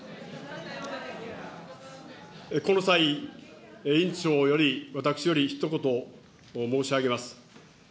この際、委員長より、私よりひと言申し上げます。